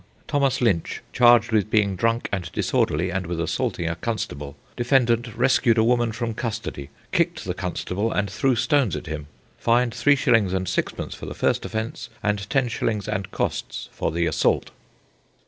Thomas Lynch, charged with being drunk and disorderly and with assaulting a constable. Defendant rescued a woman from custody, kicked the constable, and threw stones at him. Fined 3s. 6d. for the first offence, and 10s. and costs for the assault.